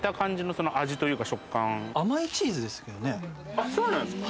あそうなんですか。